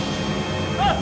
あっ！